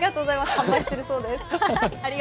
販売しているそうです。